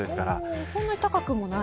そんなに高くもない。